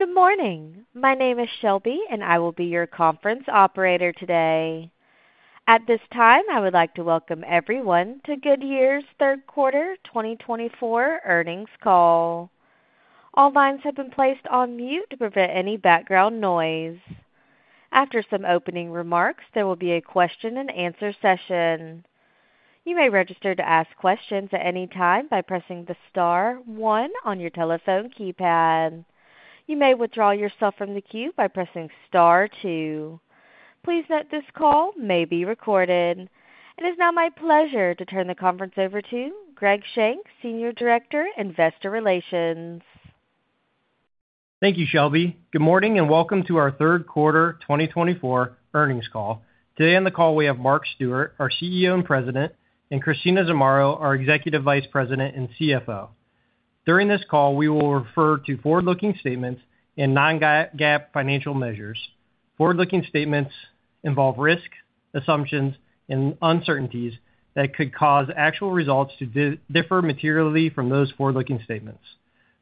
Good morning. My name is Shelby, and I will be your conference operator today. At this time, I would like to welcome everyone to Goodyear's third quarter 2024 earnings call. All lines have been placed on mute to prevent any background noise. After some opening remarks, there will be a question-and-answer session. You may register to ask questions at any time by pressing the star one on your telephone keypad. You may withdraw yourself from the queue by pressing star two. Please note this call may be recorded. It is now my pleasure to turn the conference over to Greg Shank, Senior Director, Investor Relations. Thank you, Shelby. Good morning and welcome to our third quarter 2024 earnings call. Today on the call, we have Mark Stewart, our CEO and President, and Christina Zamarro, our Executive Vice President and CFO. During this call, we will refer to forward-looking statements and non-GAAP financial measures. Forward-looking statements involve risk assumptions and uncertainties that could cause actual results to differ materially from those forward-looking statements.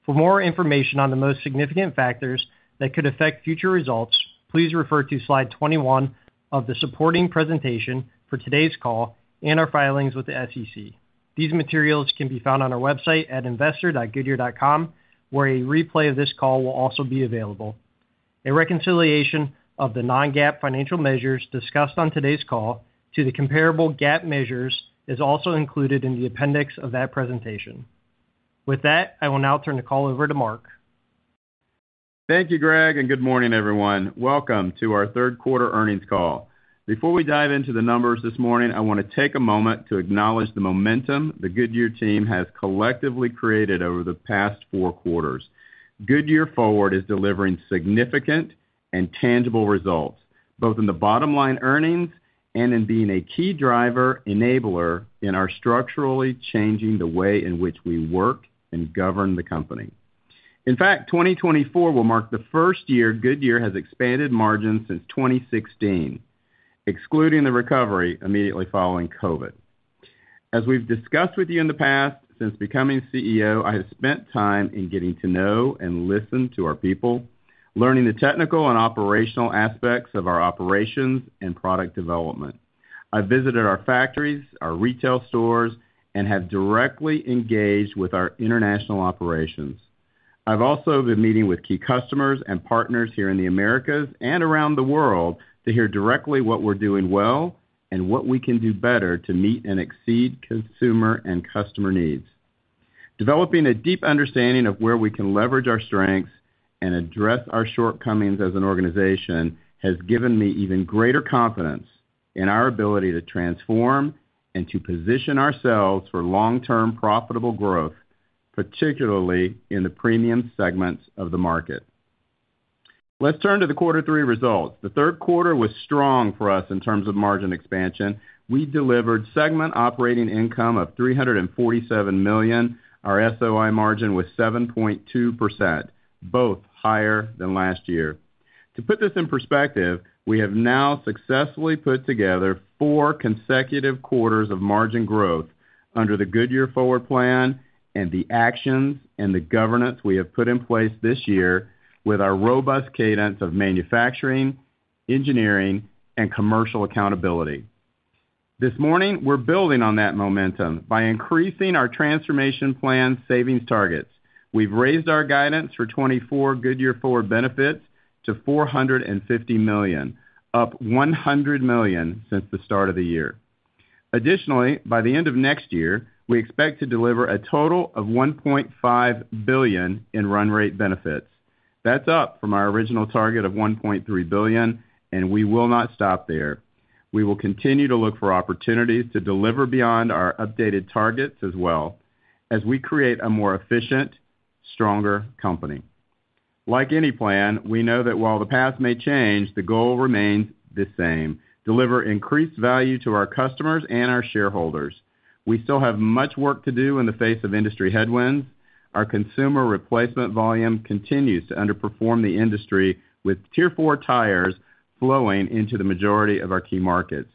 For more information on the most significant factors that could affect future results, please refer to slide 21 of the supporting presentation for today's call and our filings with the SEC. These materials can be found on our website at investor.goodyear.com, where a replay of this call will also be available. A reconciliation of the non-GAAP financial measures discussed on today's call to the comparable GAAP measures is also included in the appendix of that presentation. With that, I will now turn the call over to Mark. Thank you, Greg, and good morning, everyone. Welcome to our third quarter earnings call. Before we dive into the numbers this morning, I want to take a moment to acknowledge the momentum the Goodyear team has collectively created over the past four quarters. Goodyear Forward is delivering significant and tangible results, both in the bottom line earnings and in being a key driver enabler in our structurally changing the way in which we work and govern the company. In fact, 2024 will mark the first year Goodyear has expanded margins since 2016, excluding the recovery immediately following COVID. As we've discussed with you in the past, since becoming CEO, I have spent time in getting to know and listen to our people, learning the technical and operational aspects of our operations and product development. I've visited our factories, our retail stores, and have directly engaged with our international operations. I've also been meeting with key customers and partners here in the Americas and around the world to hear directly what we're doing well and what we can do better to meet and exceed consumer and customer needs. Developing a deep understanding of where we can leverage our strengths and address our shortcomings as an organization has given me even greater confidence in our ability to transform and to position ourselves for long-term profitable growth, particularly in the premium segments of the market. Let's turn to the quarter three results. The third quarter was strong for us in terms of margin expansion. We delivered segment operating income of $347 million. Our SOI margin was 7.2%, both higher than last year. To put this in perspective, we have now successfully put together four consecutive quarters of margin growth under the Goodyear Forward Plan and the actions and the governance we have put in place this year with our robust cadence of manufacturing, engineering, and commercial accountability. This morning, we're building on that momentum by increasing our transformation plan savings targets. We've raised our guidance for 2024 Goodyear Forward benefits to $450 million, up $100 million since the start of the year. Additionally, by the end of next year, we expect to deliver a total of $1.5 billion in run rate benefits. That's up from our original target of $1.3 billion, and we will not stop there. We will continue to look for opportunities to deliver beyond our updated targets as well as we create a more efficient, stronger company. Like any plan, we know that while the path may change, the goal remains the same: deliver increased value to our customers and our shareholders. We still have much work to do in the face of industry headwinds. Our consumer replacement volume continues to underperform the industry, with Tier 4 tires flowing into the majority of our key markets.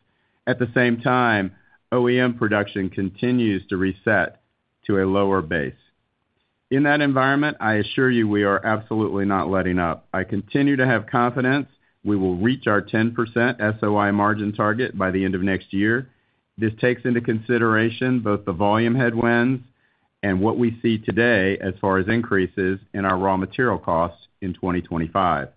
At the same time, OEM production continues to reset to a lower base. In that environment, I assure you we are absolutely not letting up. I continue to have confidence we will reach our 10% SOI margin target by the end of next year. This takes into consideration both the volume headwinds and what we see today as far as increases in our raw material costs in 2025.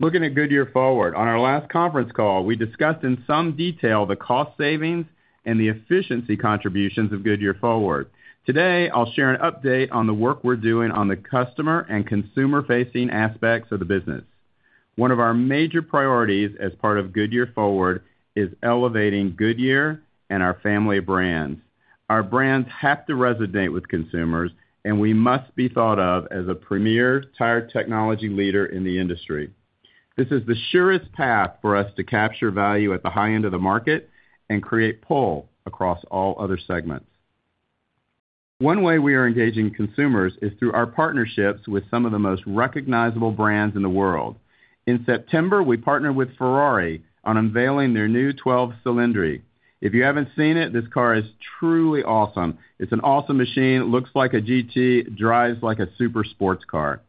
Looking at Goodyear Forward, on our last conference call, we discussed in some detail the cost savings and the efficiency contributions of Goodyear Forward. Today, I'll share an update on the work we're doing on the customer and consumer-facing aspects of the business. One of our major priorities as part of Goodyear Forward is elevating Goodyear and our family brands. Our brands have to resonate with consumers, and we must be thought of as a premier tire technology leader in the industry. This is the surest path for us to capture value at the high end of the market and create pull across all other segments. One way we are engaging consumers is through our partnerships with some of the most recognizable brands in the world. In September, we partnered with Ferrari on unveiling their new 12-cylinder. If you haven't seen it, this car is truly awesome. It's an awesome machine. It looks like a GT, drives like a super sports car.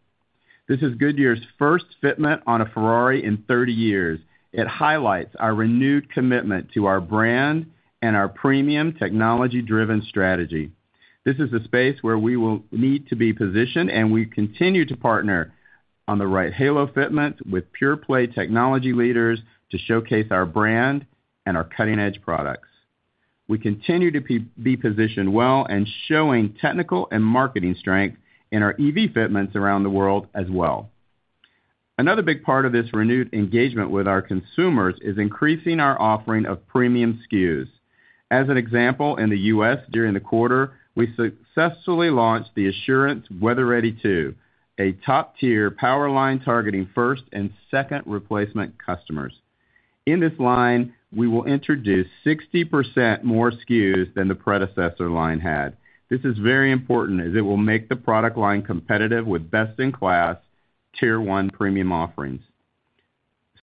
This is Goodyear's first fitment on a Ferrari in 30 years. It highlights our renewed commitment to our brand and our premium technology-driven strategy. This is the space where we will need to be positioned, and we continue to partner on the right halo fitments with pure-play technology leaders to showcase our brand and our cutting-edge products. We continue to be positioned well and showing technical and marketing strength in our EV fitments around the world as well. Another big part of this renewed engagement with our consumers is increasing our offering of premium SKUs. As an example, in the U.S., during the quarter, we successfully launched the Assurance WeatherReady 2, a top-tier product line targeting first and second replacement customers. In this line, we will introduce 60% more SKUs than the predecessor line had. This is very important as it will make the product line competitive with best-in-class Tier 1 premium offerings.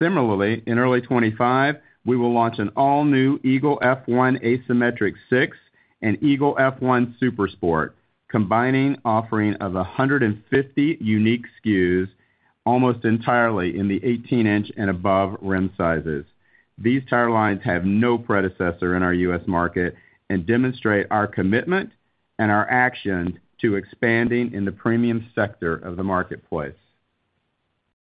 Similarly, in early 2025, we will launch an all-new Eagle F1 Asymmetric 6 and Eagle F1 SuperSport, combined offering of 150 unique SKUs almost entirely in the 18-inch and above rim sizes. These tire lines have no predecessor in our U.S. market and demonstrate our commitment and our action to expanding in the premium sector of the marketplace.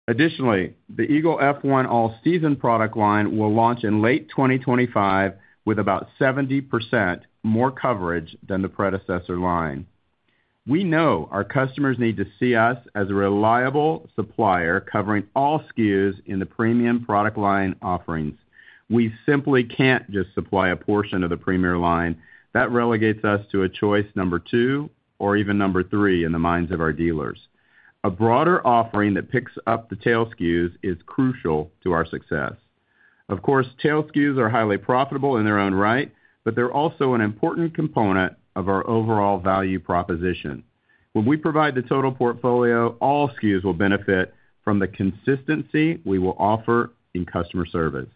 Additionally, the Eagle F1 All-Season product line will launch in late 2025 with about 70% more coverage than the predecessor line. We know our customers need to see us as a reliable supplier covering all SKUs in the premium product line offerings. We simply can't just supply a portion of the premier line. That relegates us to a choice number two or even number three in the minds of our dealers. A broader offering that picks up the tail SKUs is crucial to our success. Of course, tail SKUs are highly profitable in their own right, but they're also an important component of our overall value proposition. When we provide the total portfolio, all SKUs will benefit from the consistency we will offer in customer service.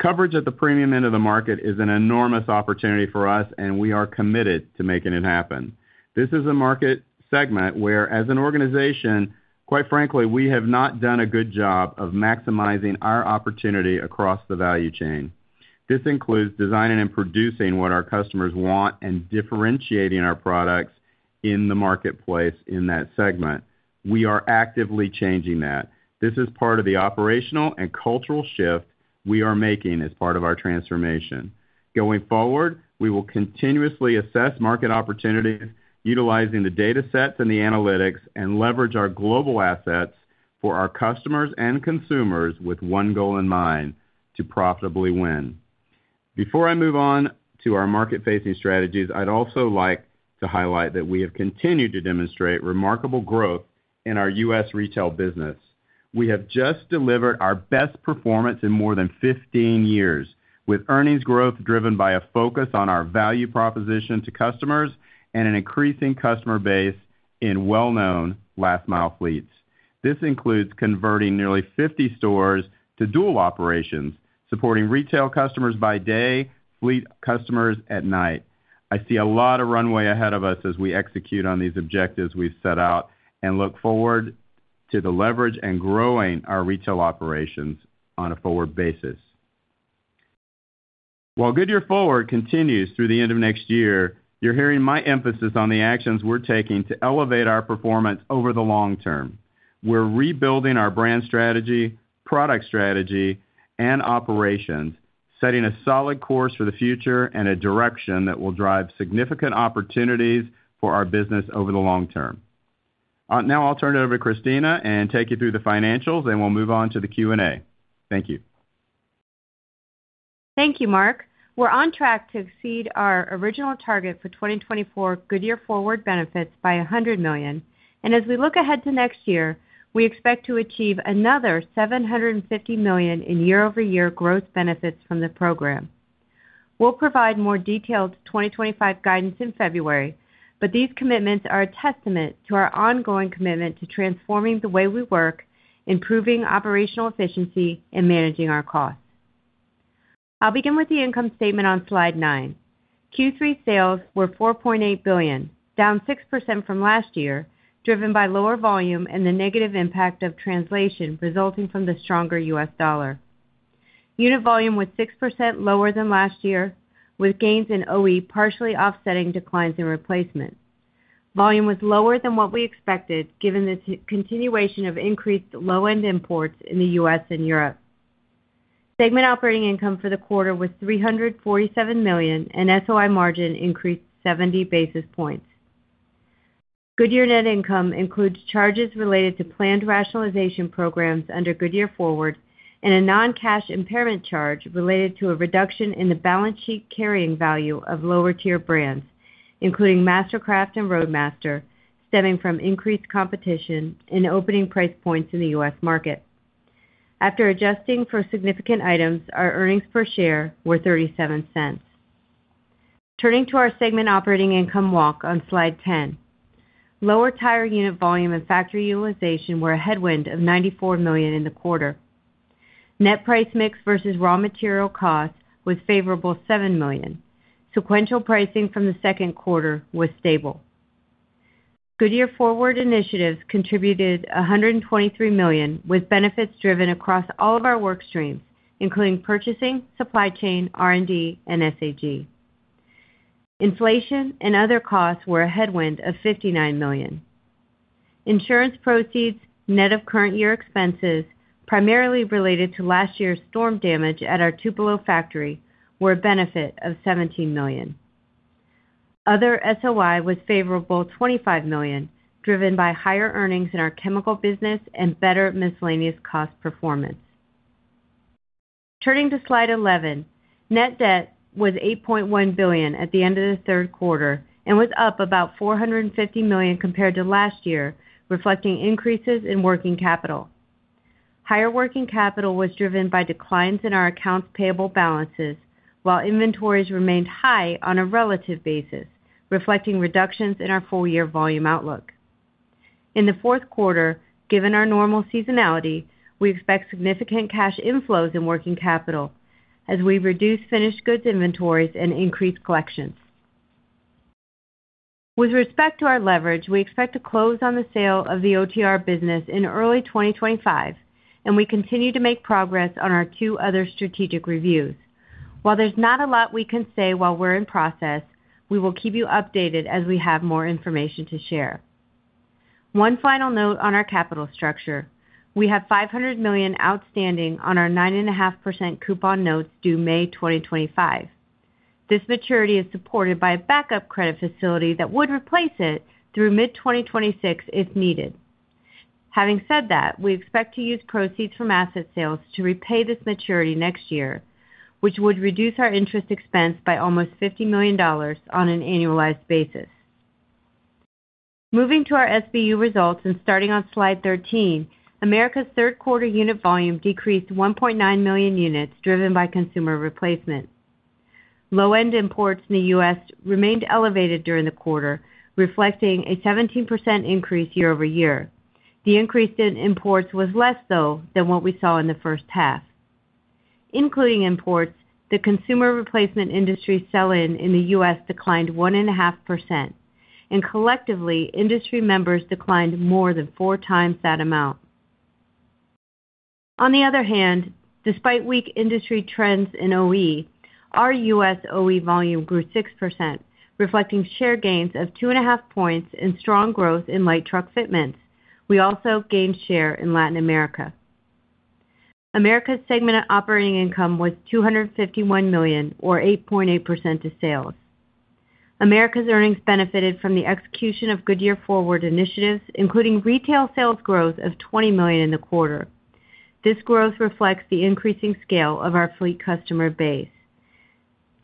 Coverage at the premium end of the market is an enormous opportunity for us, and we are committed to making it happen. This is a market segment where, as an organization, quite frankly, we have not done a good job of maximizing our opportunity across the value chain. This includes designing and producing what our customers want and differentiating our products in the marketplace in that segment. We are actively changing that. This is part of the operational and cultural shift we are making as part of our transformation. Going forward, we will continuously assess market opportunities, utilizing the data sets and the analytics, and leverage our global assets for our customers and consumers with one goal in mind: to profitably win. Before I move on to our market-facing strategies, I'd also like to highlight that we have continued to demonstrate remarkable growth in our U.S. retail business. We have just delivered our best performance in more than 15 years, with earnings growth driven by a focus on our value proposition to customers and an increasing customer base in well-known last-mile fleets. This includes converting nearly 50 stores to dual operations, supporting retail customers by day, fleet customers at night. I see a lot of runway ahead of us as we execute on these objectives we've set out and look forward to the leverage and growing our retail operations on a forward basis. While Goodyear Forward continues through the end of next year, you're hearing my emphasis on the actions we're taking to elevate our performance over the long term. We're rebuilding our brand strategy, product strategy, and operations, setting a solid course for the future and a direction that will drive significant opportunities for our business over the long term. Now I'll turn it over to Christina and take you through the financials, and we'll move on to the Q&A. Thank you. Thank you, Mark. We're on track to exceed our original target for 2024 Goodyear Forward benefits by $100 million, and as we look ahead to next year, we expect to achieve another $750 million in year-over-year growth benefits from the program. We'll provide more detailed 2025 guidance in February, but these commitments are a testament to our ongoing commitment to transforming the way we work, improving operational efficiency, and managing our costs. I'll begin with the income statement on slide 9. Q3 sales were $4.8 billion, down 6% from last year, driven by lower volume and the negative impact of translation resulting from the stronger U.S. dollar. Unit volume was 6% lower than last year, with gains in OE partially offsetting declines in replacement. Volume was lower than what we expected, given the continuation of increased low-end imports in the U.S. and Europe. Segment operating income for the quarter was $347 million, and SOI margin increased 70 basis points. Goodyear net income includes charges related to planned rationalization programs under Goodyear Forward and a non-cash impairment charge related to a reduction in the balance sheet carrying value of lower-tier brands, including Mastercraft and Roadmaster, stemming from increased competition and opening price points in the U.S. market. After adjusting for significant items, our earnings per share were $0.37. Turning to our segment operating income walk on slide 10, lower tire unit volume and factory utilization were a headwind of $94 million in the quarter. Net price mix versus raw material cost was favorable $7 million. Sequential pricing from the second quarter was stable. Goodyear Forward initiatives contributed $123 million, with benefits driven across all of our work streams, including purchasing, supply chain, R&D, and SAG. Inflation and other costs were a headwind of $59 million. Insurance proceeds, net of current year expenses, primarily related to last year's storm damage at our Tupelo factory, were a benefit of $17 million. Other SOI was favorable, $25 million, driven by higher earnings in our chemical business and better miscellaneous cost performance. Turning to slide 11, net debt was $8.1 billion at the end of the third quarter and was up about $450 million compared to last year, reflecting increases in working capital. Higher working capital was driven by declines in our accounts payable balances, while inventories remained high on a relative basis, reflecting reductions in our full-year volume outlook. In the fourth quarter, given our normal seasonality, we expect significant cash inflows in working capital as we reduce finished goods inventories and increase collections. With respect to our leverage, we expect to close on the sale of the OTR business in early 2025, and we continue to make progress on our two other strategic reviews. While there's not a lot we can say while we're in process, we will keep you updated as we have more information to share. One final note on our capital structure: we have $500 million outstanding on our 9.5% coupon notes due May 2025. This maturity is supported by a backup credit facility that would replace it through mid-2026 if needed. Having said that, we expect to use proceeds from asset sales to repay this maturity next year, which would reduce our interest expense by almost $50 million on an annualized basis. Moving to our SBU results and starting on slide 13, Americas third-quarter unit volume decreased 1.9 million units, driven by consumer replacement. Low-end imports in the U.S. remained elevated during the quarter, reflecting a 17% increase year-over-year. The increase in imports was less, though, than what we saw in the first half. Including imports, the consumer replacement industry sell-in in the U.S. declined 1.5%, and collectively, industry members declined more than four times that amount. On the other hand, despite weak industry trends in OE, our U.S. OE volume grew 6%, reflecting share gains of 2.5 points and strong growth in light truck fitments. We also gained share in Latin America. Americas' segment operating income was $251 million, or 8.8% of sales. Americas' earnings benefited from the execution of Goodyear Forward initiatives, including retail sales growth of $20 million in the quarter. This growth reflects the increasing scale of our fleet customer base.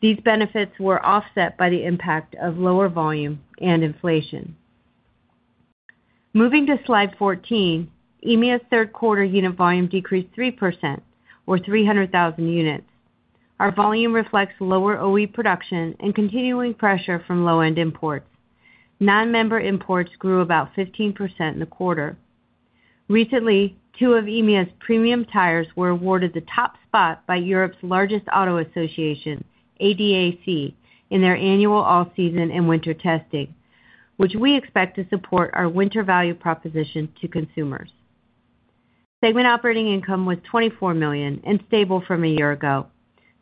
These benefits were offset by the impact of lower volume and inflation. Moving to slide 14, EMEA's third-quarter unit volume decreased 3%, or 300,000 units. Our volume reflects lower OE production and continuing pressure from low-end imports. Non-member imports grew about 15% in the quarter. Recently, two of EMEA's premium tires were awarded the top spot by Europe's largest auto association, ADAC, in their annual all-season and winter testing, which we expect to support our winter value proposition to consumers. Segment operating income was $24 million and stable from a year ago.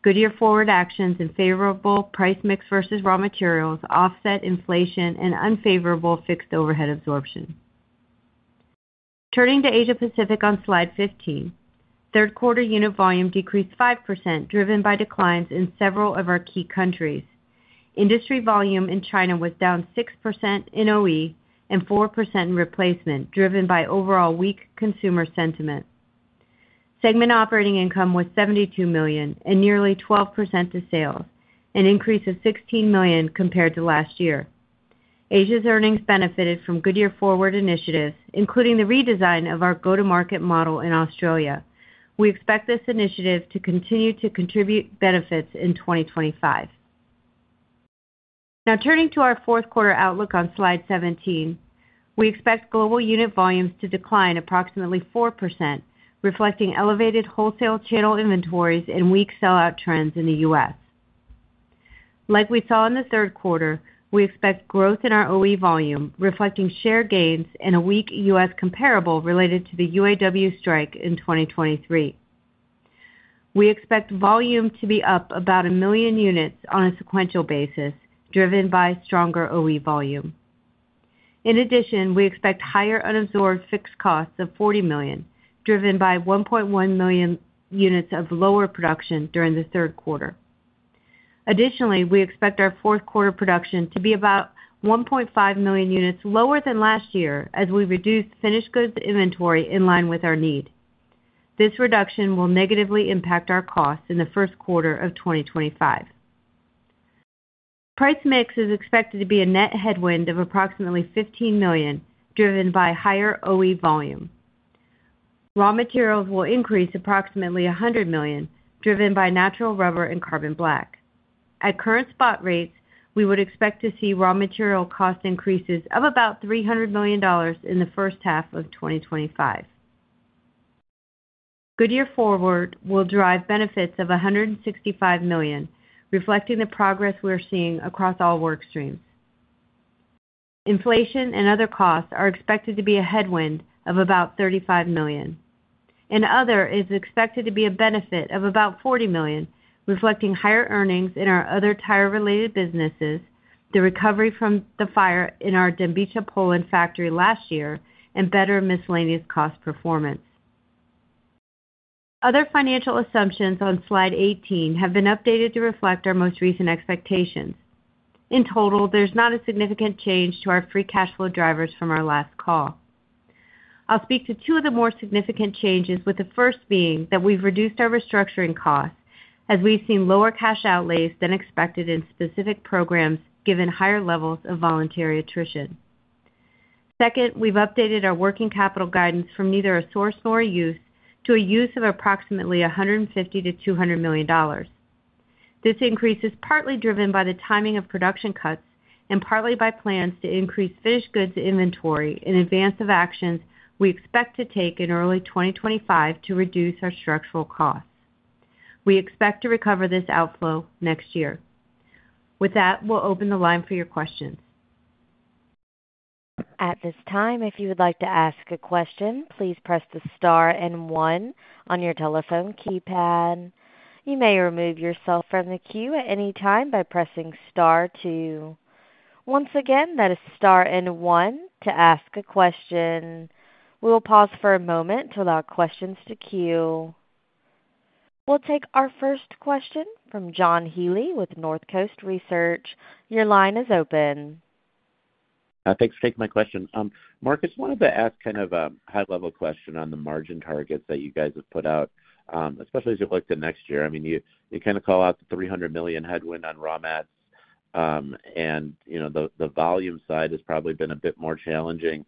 Goodyear Forward actions and favorable price mix versus raw materials offset inflation and unfavorable fixed overhead absorption. Turning to Asia-Pacific on slide 15, third-quarter unit volume decreased 5%, driven by declines in several of our key countries. Industry volume in China was down 6% in OE and 4% in replacement, driven by overall weak consumer sentiment. Segment operating income was $72 million and nearly 12% to sales, an increase of $16 million compared to last year. Asia's earnings benefited from Goodyear Forward initiatives, including the redesign of our go-to-market model in Australia. We expect this initiative to continue to contribute benefits in 2025. Now turning to our fourth-quarter outlook on slide 17, we expect global unit volumes to decline approximately 4%, reflecting elevated wholesale channel inventories and weak sellout trends in the U.S. Like we saw in the third quarter, we expect growth in our OE volume, reflecting share gains and a weak U.S. comparable related to the UAW strike in 2023. We expect volume to be up about 1 million units on a sequential basis, driven by stronger OE volume. In addition, we expect higher unabsorbed fixed costs of $40 million, driven by 1.1 million units of lower production during the third quarter. Additionally, we expect our fourth quarter production to be about 1.5 million units lower than last year as we reduce finished goods inventory in line with our need. This reduction will negatively impact our costs in the first quarter of 2025. Price mix is expected to be a net headwind of approximately $15 million, driven by higher OE volume. Raw materials will increase approximately $100 million, driven by natural rubber and carbon black. At current spot rates, we would expect to see raw material cost increases of about $300 million in the first half of 2025. Goodyear Forward will drive benefits of $165 million, reflecting the progress we're seeing across all work streams. Inflation and other costs are expected to be a headwind of about $35 million. Other is expected to be a benefit of about $40 million, reflecting higher earnings in our other tire-related businesses, the recovery from the fire in our Dębica Poland factory last year, and better miscellaneous cost performance. Other financial assumptions on slide 18 have been updated to reflect our most recent expectations. In total, there's not a significant change to our free cash flow drivers from our last call. I'll speak to two of the more significant changes, with the first being that we've reduced our restructuring costs as we've seen lower cash outlays than expected in specific programs, given higher levels of voluntary attrition. Second, we've updated our working capital guidance from neither a source nor a use to a use of approximately $150-$200 million. This increase is partly driven by the timing of production cuts and partly by plans to increase finished goods inventory in advance of actions we expect to take in early 2025 to reduce our structural costs. We expect to recover this outflow next year. With that, we'll open the line for your questions. At this time, if you would like to ask a question, please press the star and one on your telephone keypad. You may remove yourself from the queue at any time by pressing star two. Once again, that is star and one to ask a question. We'll pause for a moment to allow questions to queue. We'll take our first question from John Healy with North Coast Research. Your line is open. Thanks for taking my question. Mark, I just wanted to ask kind of a high-level question on the margin targets that you guys have put out, especially as you look to next year. I mean, you kind of call out the $300 million headwind on raw mats, and the volume side has probably been a bit more challenging.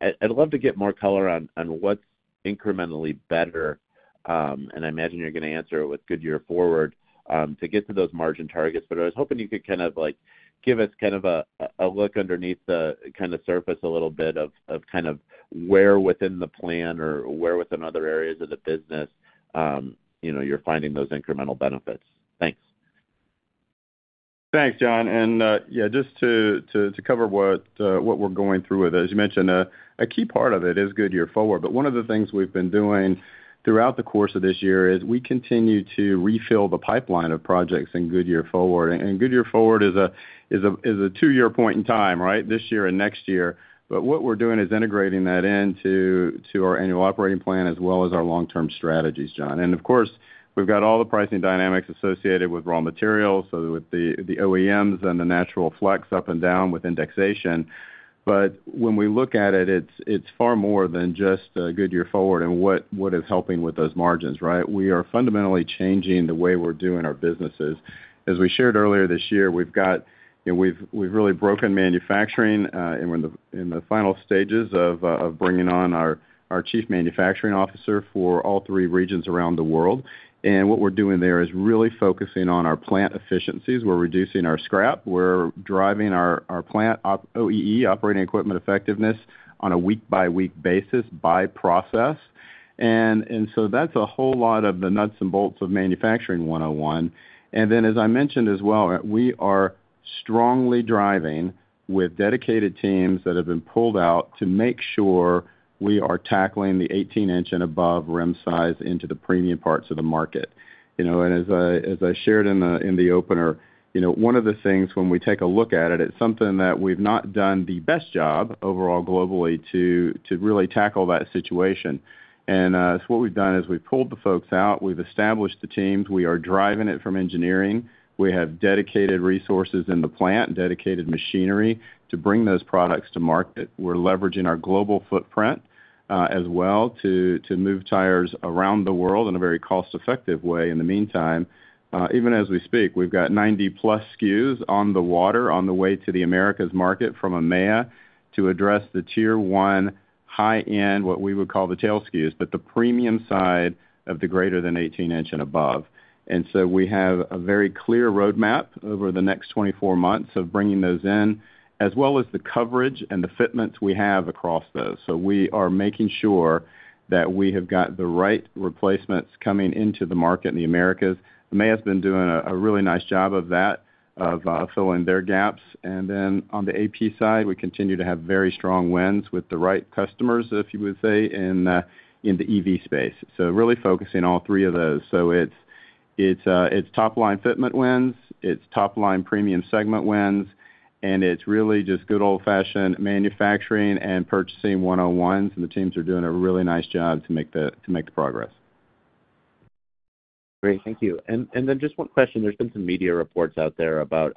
I'd love to get more color on what's incrementally better, and I imagine you're going to answer with Goodyear Forward to get to those margin targets, but I was hoping you could kind of give us kind of a look underneath the kind of surface a little bit of kind of where within the plan or where within other areas of the business you're finding those incremental benefits. Thanks. Thanks, John. And yeah, just to cover what we're going through with it, as you mentioned, a key part of it is Goodyear Forward, but one of the things we've been doing throughout the course of this year is we continue to refill the pipeline of projects in Goodyear Forward. And Goodyear Forward is a two-year point in time, right? This year and next year. But what we're doing is integrating that into our annual operating plan as well as our long-term strategies, John. And of course, we've got all the pricing dynamics associated with raw materials, so with the OEMs and the natural flex up and down with indexation. But when we look at it, it's far more than just Goodyear Forward and what is helping with those margins, right? We are fundamentally changing the way we're doing our businesses. As we shared earlier this year, we've really broken manufacturing and we're in the final stages of bringing on our chief manufacturing officer for all three regions around the world. And what we're doing there is really focusing on our plant efficiencies. We're reducing our scrap. We're driving our plant OEE, operating equipment effectiveness, on a week-by-week basis by process. And so that's a whole lot of the nuts and bolts of Manufacturing 101. And then, as I mentioned as well, we are strongly driving with dedicated teams that have been pulled out to make sure we are tackling the 18-inch and above rim size into the premium parts of the market. And as I shared in the opener, one of the things when we take a look at it, it's something that we've not done the best job overall globally to really tackle that situation. And so what we've done is we've pulled the folks out. We've established the teams. We are driving it from engineering. We have dedicated resources in the plant, dedicated machinery to bring those products to market. We're leveraging our global footprint as well to move tires around the world in a very cost-effective way. In the meantime, even as we speak, we've got 90-plus SKUs on the water on the way to the Americas market from EMEA to address the Tier 1 high-end, what we would call the tail SKUs, but the premium side of the greater than 18-inch and above. And so we have a very clear roadmap over the next 24 months of bringing those in, as well as the coverage and the fitments we have across those. So we are making sure that we have got the right replacements coming into the market in the Americas. EMEA has been doing a really nice job of that, of filling their gaps, and then on the AP side, we continue to have very strong wins with the right customers, if you would say, in the EV space. Really focusing all three of those, it's top-line fitment wins, it's top-line premium segment wins, and it's really just good old-fashioned manufacturing and purchasing 101s, and the teams are doing a really nice job to make the progress. Great. Thank you. And then just one question. There's been some media reports out there about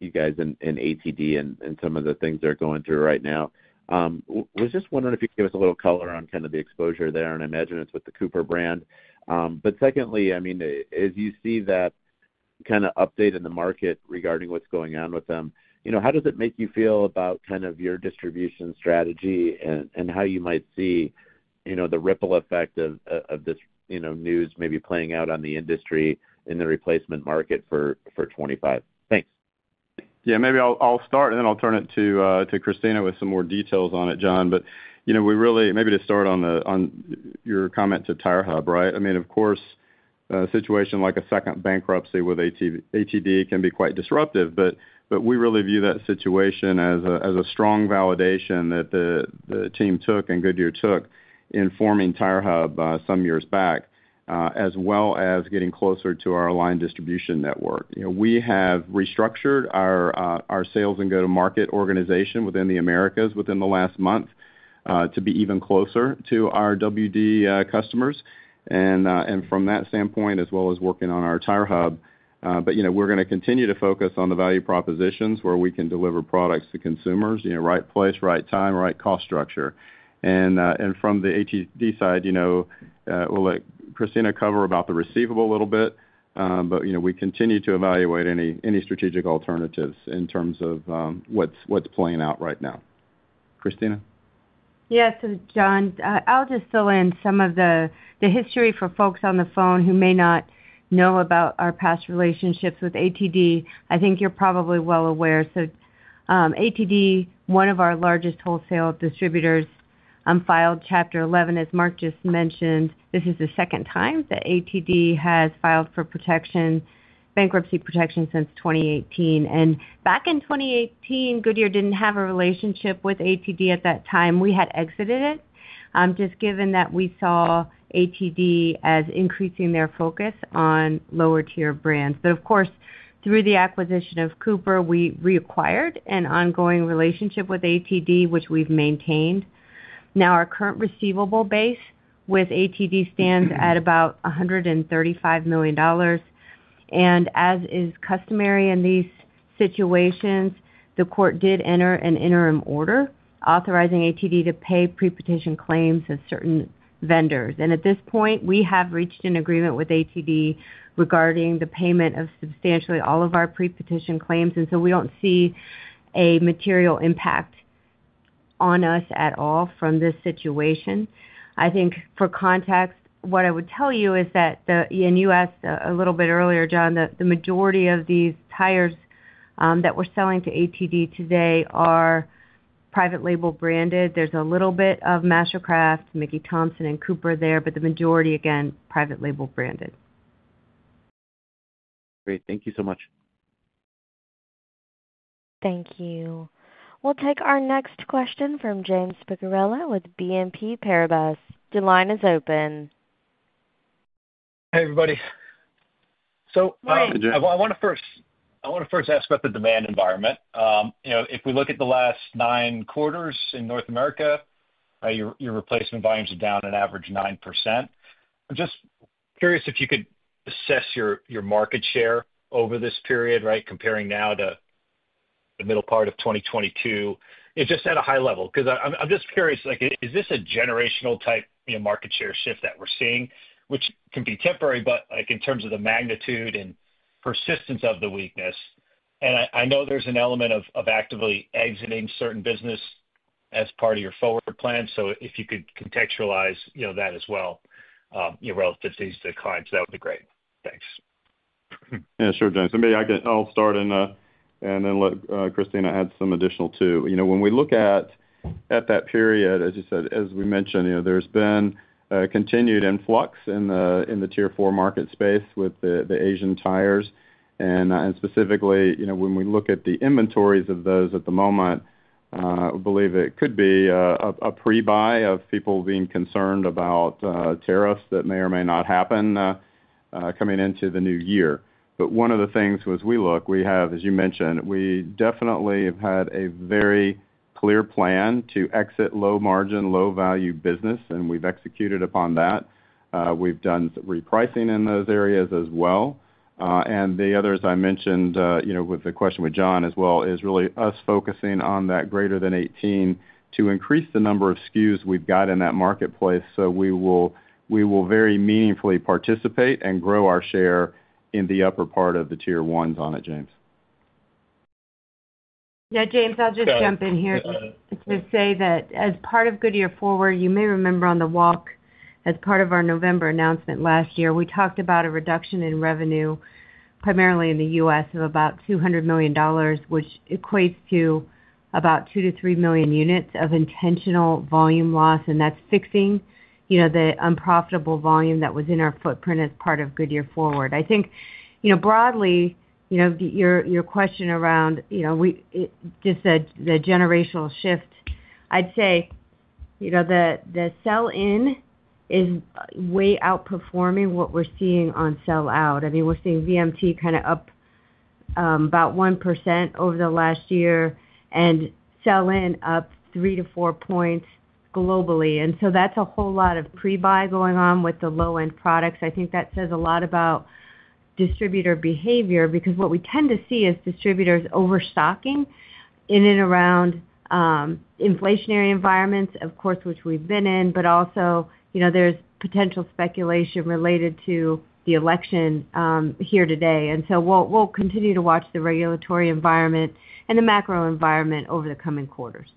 you guys in ATD and some of the things they're going through right now. I was just wondering if you could give us a little color on kind of the exposure there. And I imagine it's with the Cooper brand. But secondly, I mean, as you see that kind of update in the market regarding what's going on with them, how does it make you feel about kind of your distribution strategy and how you might see the ripple effect of this news maybe playing out on the industry in the replacement market for 2025? Thanks. Yeah. Maybe I'll start, and then I'll turn it to Christina with some more details on it, John. But maybe to start on your comment to Tire Hub, right? I mean, of course, a situation like a second bankruptcy with ATD can be quite disruptive, but we really view that situation as a strong validation that the team took and Goodyear took in forming Tire Hub some years back, as well as getting closer to our line distribution network. We have restructured our sales and go-to-market organization within the Americas within the last month to be even closer to our WD customers. And from that standpoint, as well as working on our Tire Hub, but we're going to continue to focus on the value propositions where we can deliver products to consumers, right place, right time, right cost structure. And from the ATD side, we'll let Christina cover about the receivable a little bit, but we continue to evaluate any strategic alternatives in terms of what's playing out right now. Christina? Yeah. So John, I'll just fill in some of the history for folks on the phone who may not know about our past relationships with ATD. I think you're probably well aware. So ATD, one of our largest wholesale distributors, filed Chapter 11, as Mark just mentioned. This is the second time that ATD has filed for bankruptcy protection since 2018. And back in 2018, Goodyear didn't have a relationship with ATD at that time. We had exited it, just given that we saw ATD as increasing their focus on lower-tier brands. But of course, through the acquisition of Cooper, we reacquired an ongoing relationship with ATD, which we've maintained. Now, our current receivable base with ATD stands at about $135 million. And as is customary in these situations, the court did enter an interim order authorizing ATD to pay pre-petition claims of certain vendors. And at this point, we have reached an agreement with ATD regarding the payment of substantially all of our pre-petition claims. And so we don't see a material impact on us at all from this situation. I think for context, what I would tell you is that in the U.S., a little bit earlier, John, the majority of these tires that we're selling to ATD today are private label branded. There's a little bit of Mastercraft, Mickey Thompson, and Cooper there, but the majority, again, private label branded. Great. Thank you so much. Thank you. We'll take our next question from James Picariello with BNP Paribas. The line is open. Hey, everybody. So I want to first ask about the demand environment. If we look at the last nine quarters in North America, your replacement volumes are down an average of 9%. I'm just curious if you could assess your market share over this period, right, comparing now to the middle part of 2022, just at a high level. Because I'm just curious, is this a generational-type market share shift that we're seeing, which can be temporary, but in terms of the magnitude and persistence of the weakness? And I know there's an element of actively exiting certain business as part of your forward plan. So if you could contextualize that as well, relative to these declines, that would be great. Thanks. Yeah, sure, John. So maybe I'll start and then let Christina add some additional too. When we look at that period, as you said, as we mentioned, there's been continued influx in the Tier 4 market space with the Asian tires. And specifically, when we look at the inventories of those at the moment, I believe it could be a pre-buy of people being concerned about tariffs that may or may not happen coming into the new year. But one of the things was we look, we have, as you mentioned, we definitely have had a very clear plan to exit low-margin, low-value business, and we've executed upon that. We've done repricing in those areas as well. The others, I mentioned with the question with John as well, is really us focusing on that greater than 18 to increase the number of SKUs we've got in that marketplace so we will very meaningfully participate and grow our share in the upper part of the Tier 1s on it, James. Yeah, James, I'll just jump in here to say that as part of Goodyear Forward, you may remember on the walk, as part of our November announcement last year, we talked about a reduction in revenue, primarily in the U.S., of about $200 million, which equates to about two to three million units of intentional volume loss, and that's fixing the unprofitable volume that was in our footprint as part of Goodyear Forward. I think broadly, your question around just the generational shift, I'd say the sell-in is way outperforming what we're seeing on sell-out. I mean, we're seeing VMT kind of up about 1% over the last year and sell-in up three to four points globally. And so that's a whole lot of pre-buy going on with the low-end products. I think that says a lot about distributor behavior because what we tend to see is distributors overstocking in and around inflationary environments, of course, which we've been in, but also there's potential speculation related to the election here today, and so we'll continue to watch the regulatory environment and the macro environment over the coming quarters.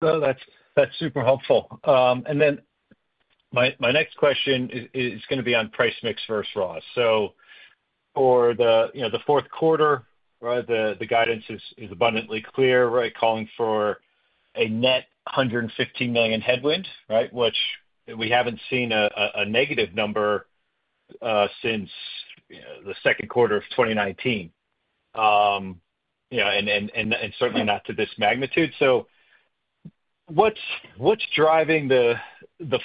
That's super helpful. My next question is going to be on price mix versus ROS. For the fourth quarter, the guidance is abundantly clear, right, calling for a net $115 million headwind, right, which we haven't seen a negative number since the second quarter of 2019, and certainly not to this magnitude. What's driving the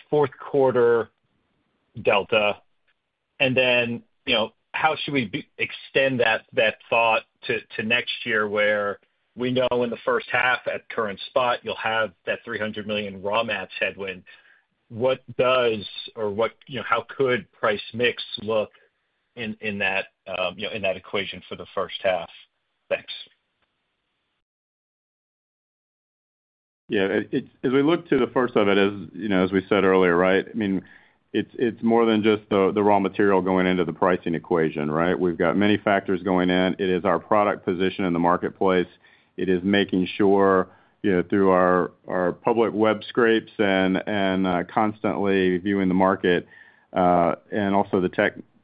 fourth quarter delta? How should we extend that thought to next year where we know in the first half at current spot, you'll have that $300 million raw mats headwind? What does or how could price mix look in that equation for the first half? Thanks. Yeah. As we look to the first of it, as we said earlier, right? I mean, it's more than just the raw material going into the pricing equation, right? We've got many factors going in. It is our product position in the marketplace. It is making sure through our public web scrapes and constantly viewing the market and also the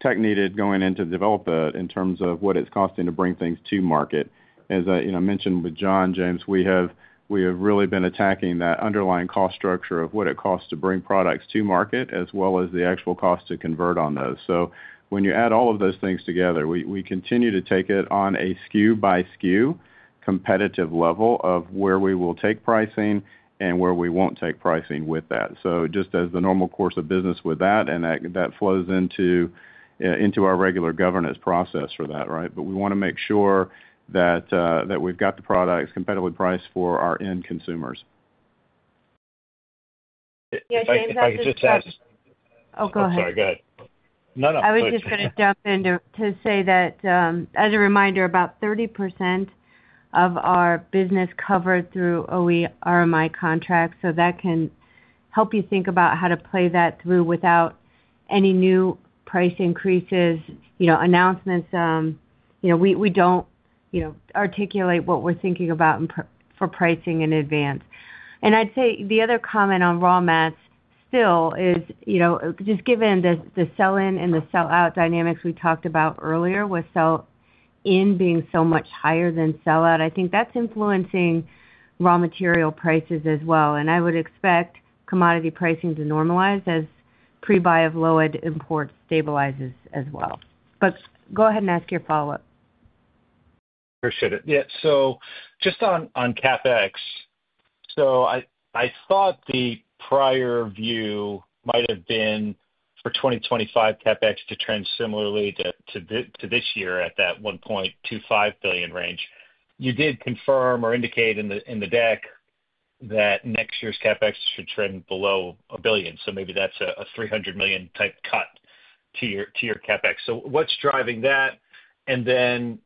tech needed going into development in terms of what it's costing to bring things to market. As I mentioned with John, James, we have really been attacking that underlying cost structure of what it costs to bring products to market as well as the actual cost to convert on those. So when you add all of those things together, we continue to take it on a SKU-by-SKU competitive level of where we will take pricing and where we won't take pricing with that. So just as the normal course of business with that, and that flows into our regular governance process for that, right? But we want to make sure that we've got the products competitively priced for our end consumers. Yeah, James, I just. I could just ask. Oh, go ahead. I'm sorry. Go ahead. No, no. Sorry. I was just going to jump in to say that as a reminder, about 30% of our business covered through OE RMI contracts. So that can help you think about how to play that through without any new price increases, announcements. We don't articulate what we're thinking about for pricing in advance. And I'd say the other comment on raw mats still is just given the sell-in and the sell-out dynamics we talked about earlier with sell-in being so much higher than sell-out, I think that's influencing raw material prices as well. And I would expect commodity pricing to normalize as pre-buy of low-end import stabilizes as well. But go ahead and ask your follow-up. Appreciate it. Yeah. So just on CapEx, so I thought the prior view might have been for 2025 CapEx to trend similarly to this year at that $1.25 billion range. You did confirm or indicate in the deck that next year's CapEx should trend below $1 billion. So maybe that's a $300 million type cut to your CapEx. So what's driving that? And then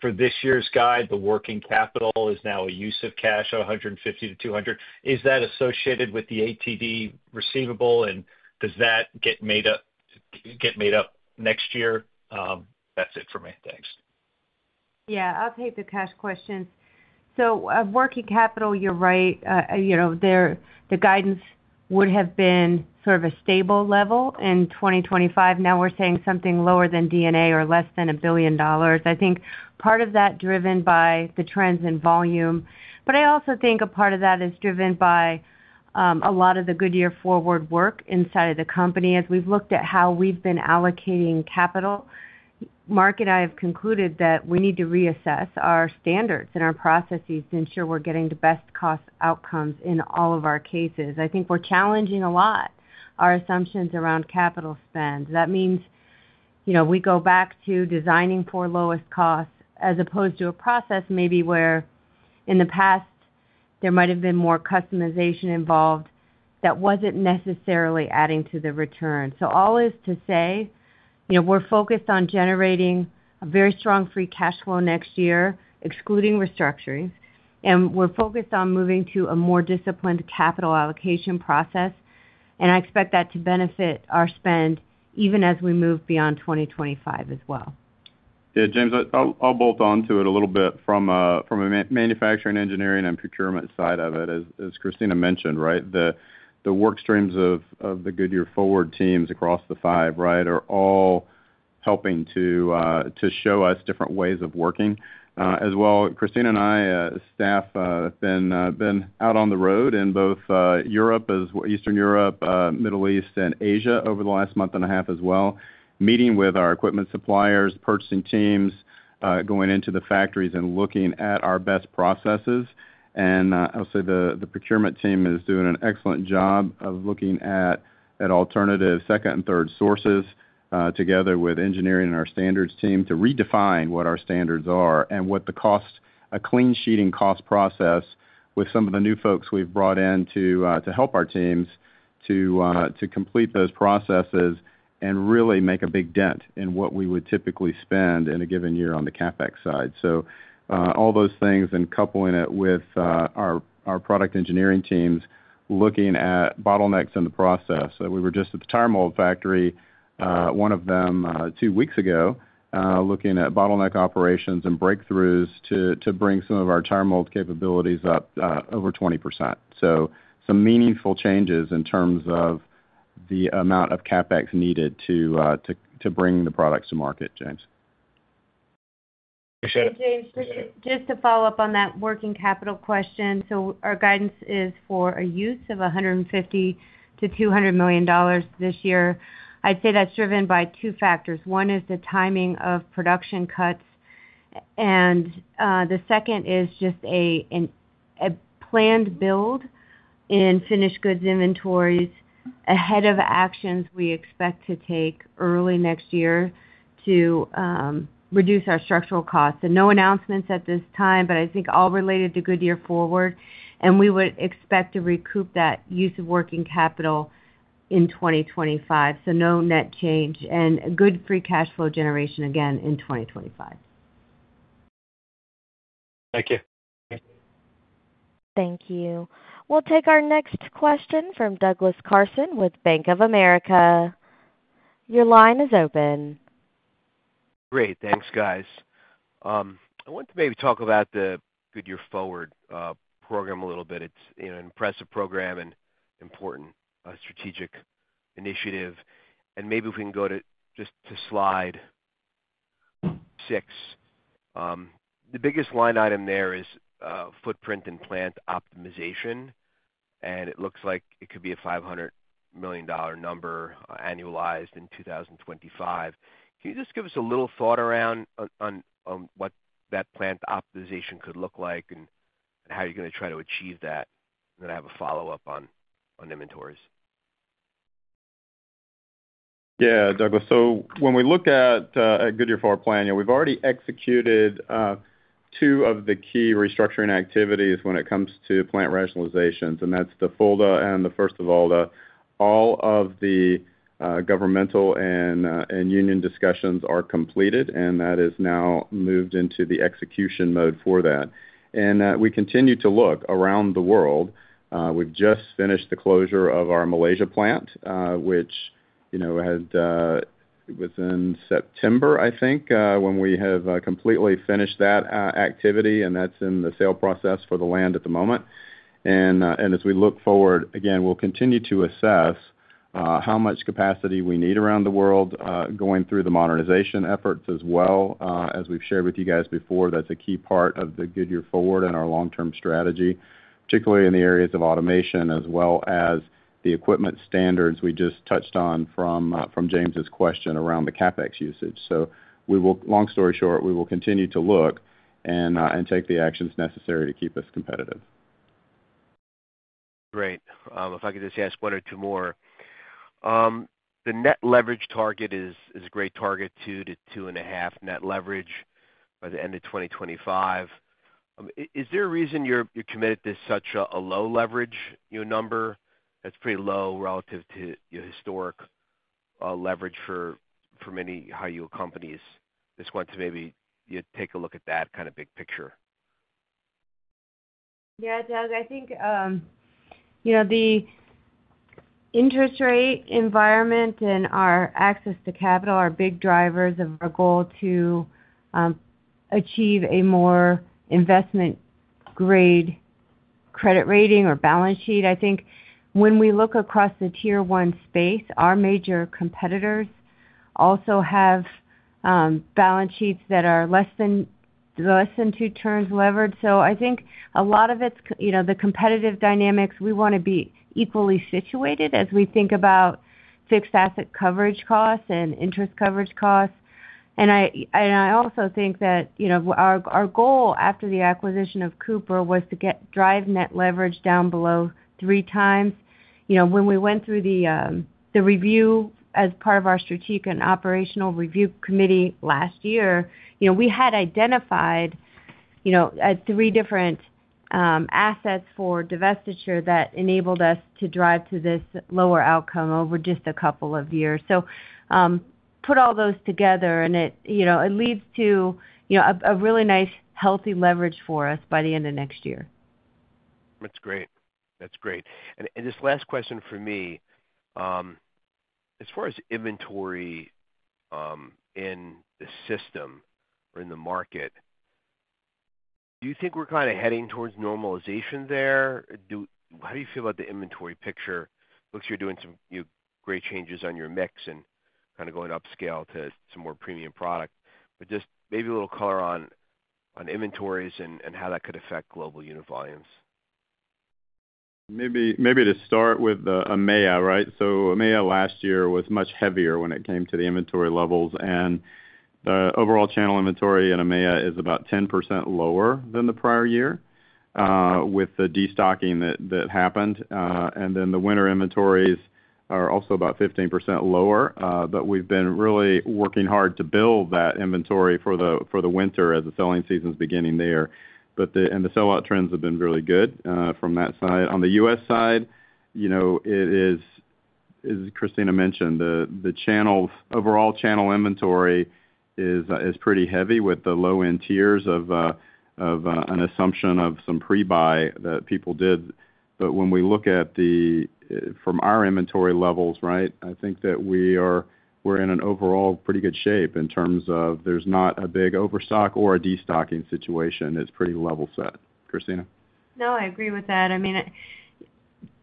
for this year's guide, the working capital is now a use of cash of $150 million to $200 million. Is that associated with the ATD receivable? And does that get made up next year? That's it for me. Thanks. Yeah. I'll take the cash questions. So working capital, you're right. The guidance would have been sort of a stable level in 2025. Now we're saying something lower than NWC or less than $1 billion. I think part of that is driven by the trends in volume. But I also think a part of that is driven by a lot of the Goodyear Forward work inside of the company as we've looked at how we've been allocating capital. Mark and I have concluded that we need to reassess our standards and our processes to ensure we're getting the best cost outcomes in all of our cases. I think we're challenging a lot of our assumptions around capital spend. That means we go back to designing for lowest costs as opposed to a process maybe where in the past, there might have been more customization involved that wasn't necessarily adding to the return, so all is to say we're focused on generating a very strong free cash flow next year, excluding restructuring, and we're focused on moving to a more disciplined capital allocation process, and I expect that to benefit our spend even as we move beyond 2025 as well. Yeah, James, I'll bolt on to it a little bit from a manufacturing engineering and procurement side of it. As Christina mentioned, right, the work streams of the Goodyear Forward teams across the five, right, are all helping to show us different ways of working. As well, Christina and I, staff, have been out on the road in both Europe, Eastern Europe, Middle East, and Asia over the last month and a half as well, meeting with our equipment suppliers, purchasing teams, going into the factories and looking at our best processes. I'll say the procurement team is doing an excellent job of looking at alternative second and third sources together with engineering and our standards team to redefine what our standards are and what the cost, a clean sheeting cost process with some of the new folks we've brought in to help our teams to complete those processes and really make a big dent in what we would typically spend in a given year on the CapEx side. All those things and coupling it with our product engineering teams looking at bottlenecks in the process. We were just at the Tire Mold Factory, one of them, two weeks ago, looking at bottleneck operations and breakthroughs to bring some of our Tire Mold capabilities up over 20%. Some meaningful changes in terms of the amount of CapEx needed to bring the products to market, James. Appreciate it. James, just to follow up on that working capital question. So our guidance is for a use of $150-$200 million this year. I'd say that's driven by two factors. One is the timing of production cuts. And the second is just a planned build in finished goods inventories ahead of actions we expect to take early next year to reduce our structural costs. And no announcements at this time, but I think all related to Goodyear Forward. And we would expect to recoup that use of working capital in 2025. So no net change and good free cash flow generation again in 2025. Thank you. Thank you. We'll take our next question from Douglas Carson with Bank of America. Your line is open. Great. Thanks, guys. I want to maybe talk about the Goodyear Forward program a little bit. It's an impressive program and important strategic initiative. And maybe if we can go just to slide six, the biggest line item there is footprint and plant optimization. And it looks like it could be a $500 million number annualized in 2025. Can you just give us a little thought around what that plant optimization could look like and how you're going to try to achieve that? And then I have a follow-up on inventories. Yeah, Douglas. So when we look at Goodyear Forward plan, we've already executed two of the key restructuring activities when it comes to plant rationalizations. And that's the Fulda and the Fürstenwalde, all of the governmental and union discussions are completed, and that is now moved into the execution mode for that. And we continue to look around the world. We've just finished the closure of our Malaysia plant, which had within September, I think, when we have completely finished that activity. And that's in the sale process for the land at the moment. And as we look forward, again, we'll continue to assess how much capacity we need around the world going through the modernization efforts as well. As we've shared with you guys before, that's a key part of the Goodyear Forward and our long-term strategy, particularly in the areas of automation as well as the equipment standards we just touched on from James's question around the CapEx usage, so long story short, we will continue to look and take the actions necessary to keep us competitive. Great. If I could just ask one or two more. The net leverage target is a great target, two to 2.5 net leverage by the end of 2025. Is there a reason you're committed to such a low leverage number? That's pretty low relative to your historic leverage for many high-yield companies. Just want to maybe take a look at that kind of big picture. Yeah, Doug, I think the interest rate environment and our access to capital are big drivers of our goal to achieve a more investment-grade credit rating or balance sheet. I think when we look across the tier one space, our major competitors also have balance sheets that are less than two turns levered. So I think a lot of it's the competitive dynamics. We want to be equally situated as we think about fixed asset coverage costs and interest coverage costs. And I also think that our goal after the acquisition of Cooper was to drive net leverage down below three times. When we went through the review as part of our strategic and operational review committee last year, we had identified three different assets for divestiture that enabled us to drive to this lower outcome over just a couple of years. So put all those together, and it leads to a really nice healthy leverage for us by the end of next year. That's great. That's great. And this last question for me, as far as inventory in the system or in the market, do you think we're kind of heading towards normalization there? How do you feel about the inventory picture? Looks like you're doing some great changes on your mix and kind of going upscale to some more premium product. But just maybe a little color on inventories and how that could affect global unit volumes. Maybe to start with EMEA, right? EMEA last year was much heavier when it came to the inventory levels. The overall channel inventory in EMEA is about 10% lower than the prior year with the destocking that happened. The winter inventories are also about 15% lower. We've been really working hard to build that inventory for the winter as the selling season's beginning there. The sell-out trends have been really good from that side. On the U.S. side, it is, as Christina mentioned, the overall channel inventory is pretty heavy with the low-end tiers of an assumption of some pre-buy that people did. When we look at the from our inventory levels, right, I think that we're in an overall pretty good shape in terms of there's not a big overstock or a destocking situation. It's pretty level set. Christina. No, I agree with that. I mean,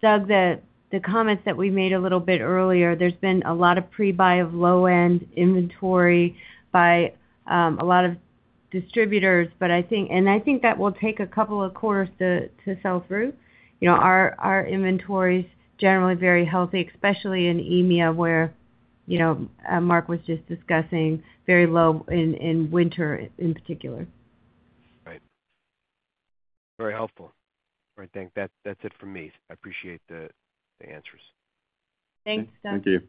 Doug, the comments that we made a little bit earlier, there's been a lot of pre-buy of low-end inventory by a lot of distributors, and I think that will take a couple of quarters to sell through. Our inventory is generally very healthy, especially in EMEA where Mark was just discussing very low in winter in particular. Right. Very helpful. All right, thanks. That's it for me. I appreciate the answers. Thanks, Doug. Thank you.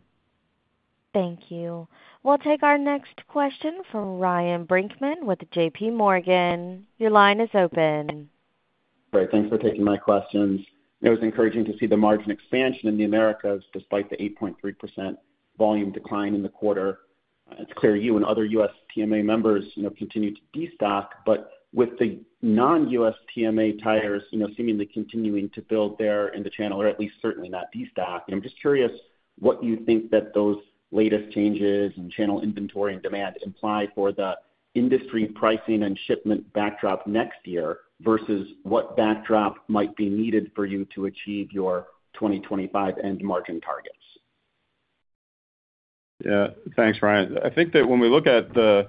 Thank you. We'll take our next question from Ryan Brinkman with J.P. Morgan. Your line is open. Great. Thanks for taking my questions. It was encouraging to see the margin expansion in the Americas despite the 8.3% volume decline in the quarter. It's clear you and other USTMA members continue to destock, but with the non-USTMA tires seemingly continuing to build there in the channel, or at least certainly not destock. I'm just curious what you think that those latest changes in channel inventory and demand imply for the industry pricing and shipment backdrop next year versus what backdrop might be needed for you to achieve your 2025 end margin targets. Yeah. Thanks, Ryan. I think that when we look at the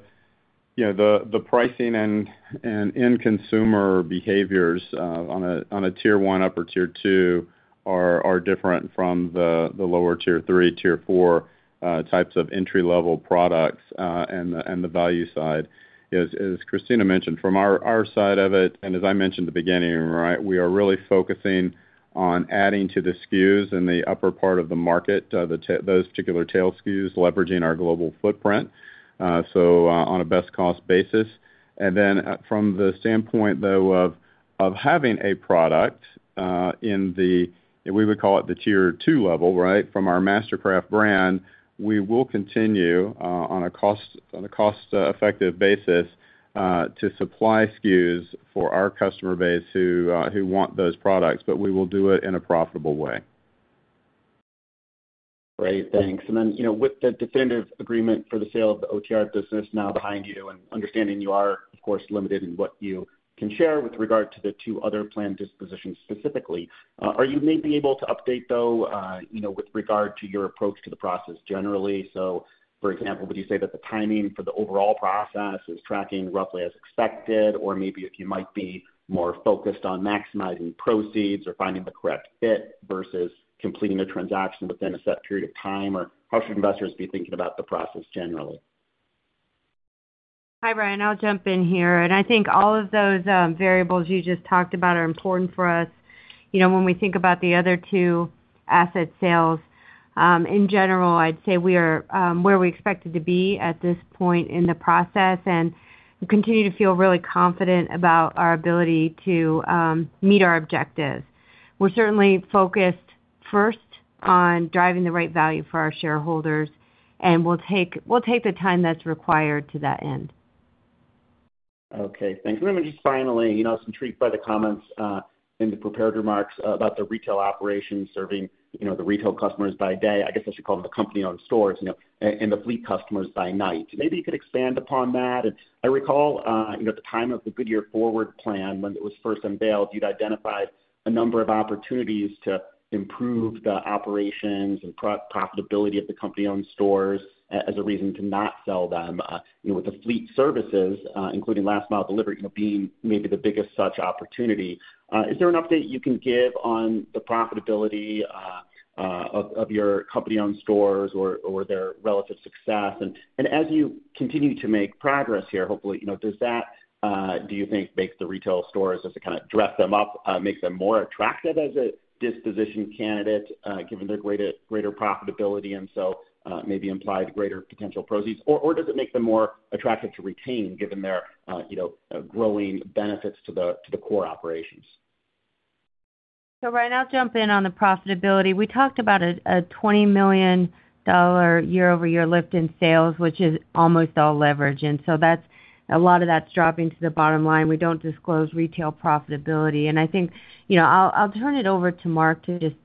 pricing and end consumer behaviors on a tier one, upper tier two are different from the lower tier three, tier four types of entry-level products and the value side. As Christina mentioned, from our side of it, and as I mentioned at the beginning, right, we are really focusing on adding to the SKUs in the upper part of the market, those particular tail SKUs, leveraging our global footprint on a best-cost basis. And then from the standpoint, though, of having a product in the, we would call it the tier two level, right, from our Mastercraft brand, we will continue on a cost-effective basis to supply SKUs for our customer base who want those products, but we will do it in a profitable way. Great. Thanks, and then with the definitive agreement for the sale of the OTR business now behind you and understanding you are, of course, limited in what you can share with regard to the two other planned dispositions specifically, are you maybe able to update, though, with regard to your approach to the process generally? So for example, would you say that the timing for the overall process is tracking roughly as expected, or maybe you might be more focused on maximizing proceeds or finding the correct fit versus completing a transaction within a set period of time? Or how should investors be thinking about the process generally? Hi, Ryan. I'll jump in here, and I think all of those variables you just talked about are important for us. When we think about the other two asset sales in general, I'd say we are where we expect it to be at this point in the process and continue to feel really confident about our ability to meet our objectives. We're certainly focused first on driving the right value for our shareholders, and we'll take the time that's required to that end. Okay. Thanks. And then just finally, some thoughts on the comments in the prepared remarks about the retail operations serving the retail customers by day. I guess I should call them the company-owned stores and the fleet customers by night. Maybe you could expand upon that. And I recall at the time of the Goodyear Forward plan, when it was first unveiled, you'd identified a number of opportunities to improve the operations and profitability of the company-owned stores as a reason to not sell them, with the fleet services, including last-mile delivery, being maybe the biggest such opportunity. Is there an update you can give on the profitability of your company-owned stores or their relative success? And as you continue to make progress here, hopefully, does that, do you think, make the retail stores as it kind of dress them up, make them more attractive as a disposition candidate given their greater profitability and so maybe implied greater potential proceeds? Or does it make them more attractive to retain given their growing benefits to the core operations? So right now, I'll jump in on the profitability. We talked about a $20 million year-over-year lift in sales, which is almost all leverage. And so a lot of that's dropping to the bottom line. We don't disclose retail profitability. And I think I'll turn it over to Mark to just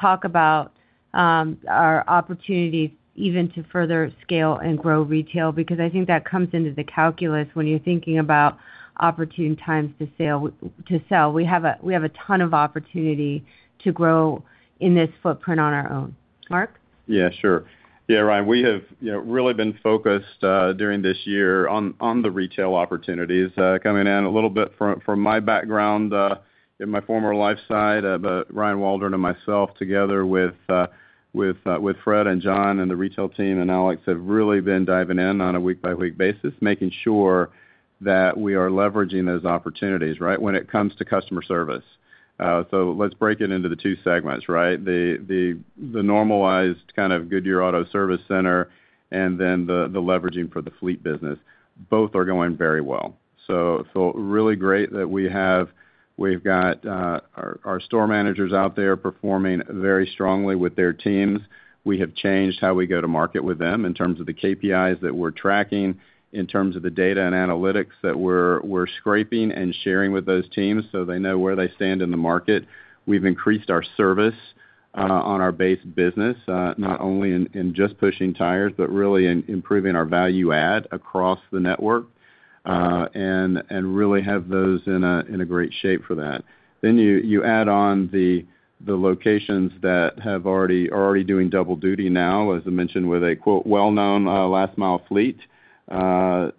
talk about our opportunities even to further scale and grow retail because I think that comes into the calculus when you're thinking about opportune times to sell. We have a ton of opportunity to grow in this footprint on our own. Mark? Yeah, sure. Yeah, Ryan, we have really been focused during this year on the retail opportunities coming in. A little bit from my background in my former life side, but Ryan Waldron and myself together with Fred and John and the retail team and Alex have really been diving in on a week-by-week basis, making sure that we are leveraging those opportunities, right, when it comes to customer service. So let's break it into the two segments, right? The normalized kind of Goodyear Auto Service Center and then the leveraging for the fleet business. Both are going very well. So really great that we've got our store managers out there performing very strongly with their teams. We have changed how we go to market with them in terms of the KPIs that we're tracking, in terms of the data and analytics that we're scraping and sharing with those teams so they know where they stand in the market. We've increased our service on our base business, not only in just pushing tires, but really in improving our value add across the network and really have those in a great shape for that. Then you add on the locations that are already doing double duty now, as I mentioned, with a "well-known last-mile fleet" to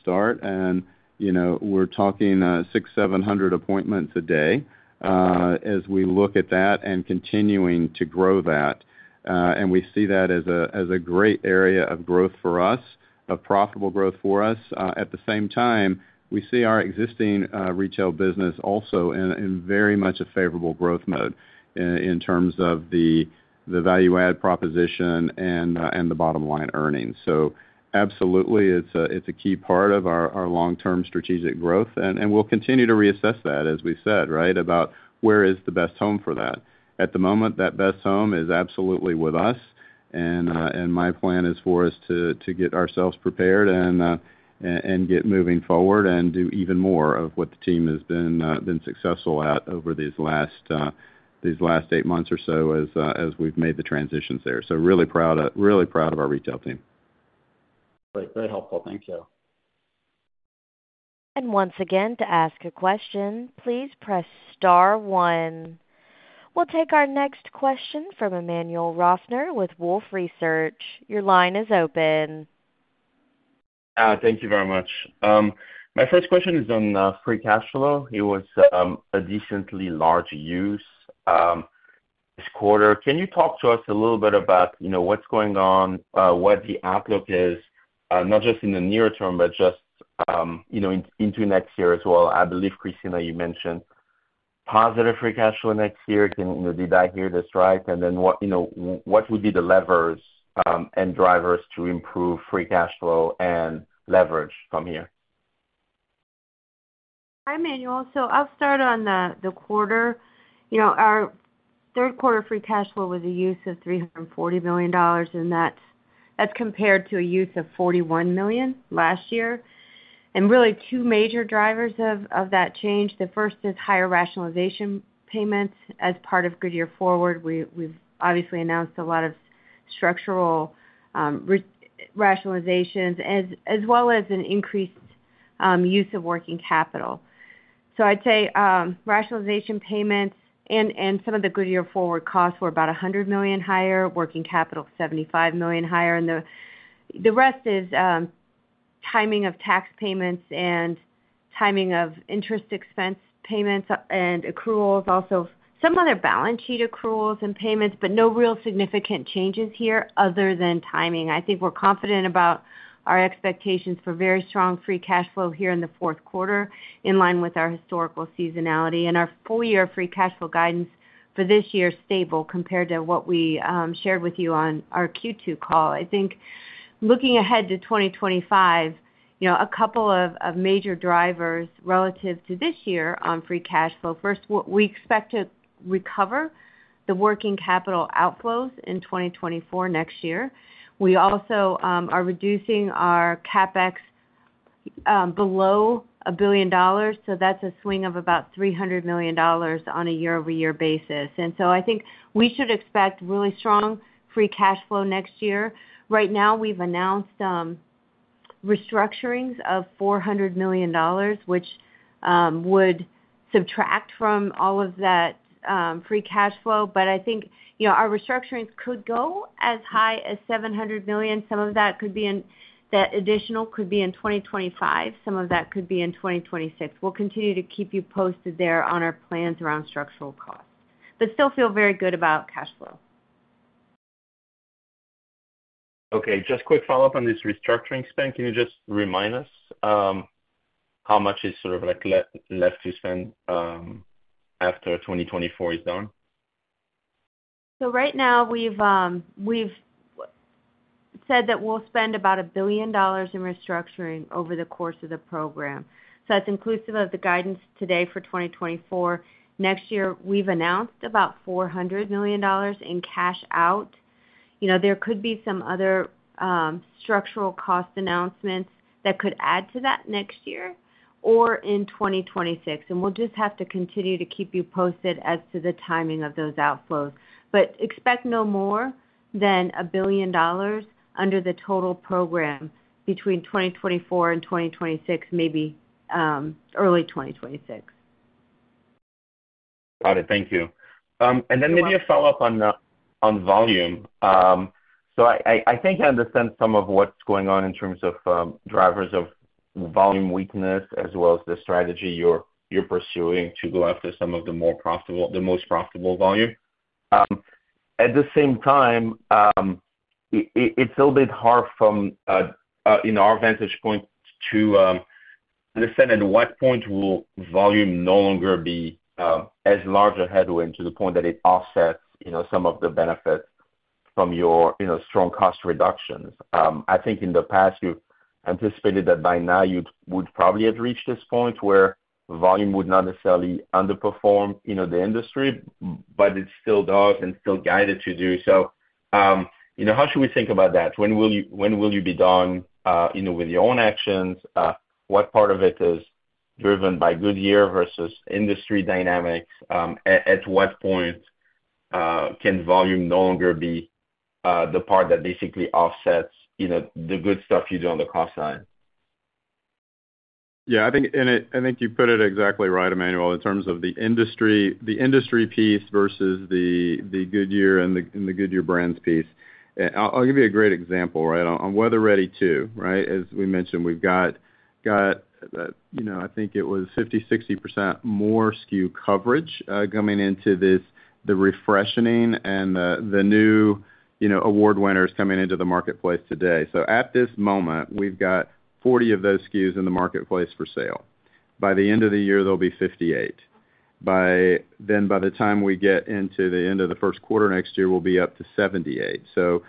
start. And we're talking 6,700 appointments a day as we look at that and continuing to grow that. And we see that as a great area of growth for us, of profitable growth for us. At the same time, we see our existing retail business also in very much a favorable growth mode in terms of the value add proposition and the bottom line earnings. So absolutely, it's a key part of our long-term strategic growth. And we'll continue to reassess that, as we said, right, about where is the best home for that. At the moment, that best home is absolutely with us. And my plan is for us to get ourselves prepared and get moving forward and do even more of what the team has been successful at over these last eight months or so as we've made the transitions there. So really proud of our retail team. Great. Very helpful. Thank you. And once again, to ask a question, please press star one. We'll take our next question from Emmanuel Rosner with Wolfe Research. Your line is open. Thank you very much. My first question is on free cash flow. It was a decently large use this quarter. Can you talk to us a little bit about what's going on, what the outlook is, not just in the near term, but just into next year as well? I believe, Christina, you mentioned positive free cash flow next year. Did I hear this right? And then what would be the levers and drivers to improve free cash flow and leverage from here? Hi, Emanuel. So I'll start on the quarter. Our third quarter free cash flow was a use of $340 million, and that's compared to a use of $41 million last year. And really, two major drivers of that change. The first is higher rationalization payments as part of Goodyear Forward. We've obviously announced a lot of structural rationalizations as well as an increased use of working capital. So I'd say rationalization payments and some of the Goodyear Forward costs were about $100 million higher, working capital $75 million higher. And the rest is timing of tax payments and timing of interest expense payments and accruals, also some other balance sheet accruals and payments, but no real significant changes here other than timing. I think we're confident about our expectations for very strong free cash flow here in the fourth quarter in line with our historical seasonality. Our full-year free cash flow guidance for this year is stable compared to what we shared with you on our Q2 call. I think looking ahead to 2025, a couple of major drivers relative to this year on free cash flow. First, we expect to recover the working capital outflows in 2024 next year. We also are reducing our CapEx below $1 billion. That's a swing of about $300 million on a year-over-year basis. I think we should expect really strong free cash flow next year. Right now, we've announced restructurings of $400 million, which would subtract from all of that free cash flow. I think our restructurings could go as high as $700 million. Some of that additional could be in 2025. Some of that could be in 2026. We'll continue to keep you posted there on our plans around structural costs, but still feel very good about cash flow. Okay. Just quick follow-up on this restructuring spend. Can you just remind us how much is sort of left to spend after 2024 is done? So right now, we've said that we'll spend about $1 billion in restructuring over the course of the program. So that's inclusive of the guidance today for 2024. Next year, we've announced about $400 million in cash out. There could be some other structural cost announcements that could add to that next year or in 2026. And we'll just have to continue to keep you posted as to the timing of those outflows. But expect no more than $1 billion under the total program between 2024 and 2026, maybe early 2026. Got it. Thank you. And then maybe a follow-up on volume. So I think I understand some of what's going on in terms of drivers of volume weakness as well as the strategy you're pursuing to go after some of the most profitable volume. At the same time, it's a little bit hard from our vantage point to understand at what point will volume no longer be as large a headwind to the point that it offsets some of the benefits from your strong cost reductions. I think in the past, you anticipated that by now you would probably have reached this point where volume would not necessarily underperform the industry, but it still does and still guided to do so. How should we think about that? When will you be done with your own actions? What part of it is driven by Goodyear versus industry dynamics? At what point can volume no longer be the part that basically offsets the good stuff you do on the cost side? Yeah. I think you put it exactly right, Emmanuel, in terms of the industry piece versus the Goodyear and the Goodyear brands piece. I'll give you a great example, right? On WeatherReady 2, right, as we mentioned, we've got I think it was 50-60% more SKU coverage coming into the refreshing and the new award winners coming into the marketplace today. So at this moment, we've got 40 of those SKUs in the marketplace for sale. By the end of the year, there'll be 58. Then by the time we get into the end of the first quarter next year, we'll be up to 78. So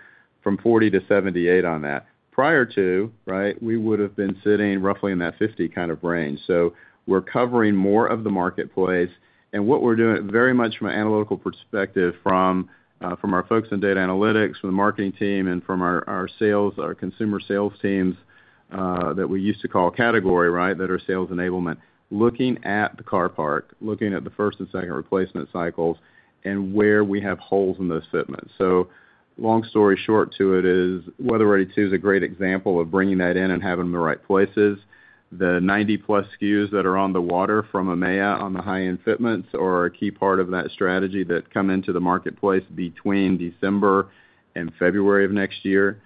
from 40 to 78 on that. Prior to, right, we would have been sitting roughly in that 50 kind of range. So we're covering more of the marketplace. And what we're doing very much from an analytical perspective from our folks in data analytics, from the marketing team, and from our sales, our consumer sales teams that we used to call category, right, that are sales enablement, looking at the car park, looking at the first and second replacement cycles, and where we have holes in those fitments. So long story short to it is Weather Ready 2 is a great example of bringing that in and having them in the right places. The 90+ SKUs that are on the water from EMEA on the high-end fitments are a key part of that strategy that come into the marketplace between December and February of next year.